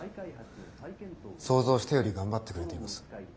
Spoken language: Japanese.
想像したより頑張ってくれています。